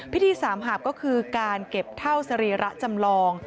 พิธีสามหาบก็คือการเก็บเท่าสรีระจำลอง